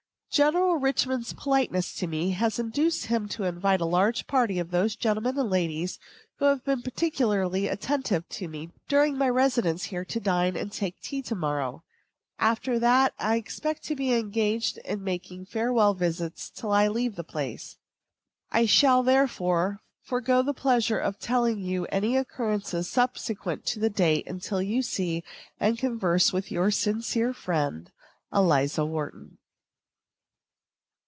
General Richman's politeness to me has induced him to invite a large party of those gentlemen and ladies who have been particularly attentive to me during my residence here to dine and take tea to morrow. After that, I expect to be engaged in making farewell visits till I leave the place. I shall, therefore, forego the pleasure of telling you any occurrences subsequent to this date until you see and converse with your sincere friend, ELIZA WHARTON.